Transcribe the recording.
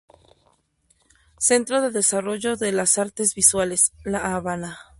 Centro de Desarrollo de las Artes Visuales, La Habana.